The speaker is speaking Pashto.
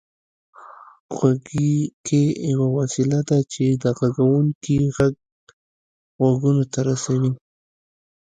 غوږيکې يوه وسيله ده چې د غږوونکي غږ غوږونو ته رسوي